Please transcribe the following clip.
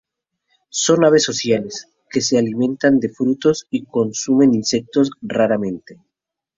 Son aves sociales, que se alimentan de frutos y consumen insectos raramente.